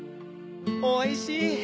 おいしい！